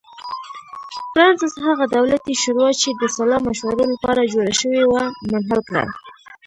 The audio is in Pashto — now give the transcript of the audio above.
فرانسس هغه دولتي شورا چې د سلا مشورو لپاره جوړه شوې وه منحل کړه.